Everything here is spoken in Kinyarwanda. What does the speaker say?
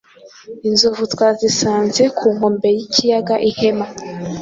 Inzovu twazisanze ku nkombe y’ikiyaga Ihema